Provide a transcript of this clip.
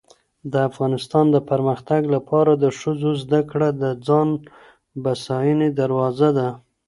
. د افغانستان د پرمختګ لپاره د ښځو زدهکړه د ځان بسیاینې دروازه ده